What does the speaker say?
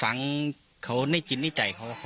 ตอนนี้เพื่อนบ้านก็เลยแจ้งความเอาไว้ก่อนนะครับ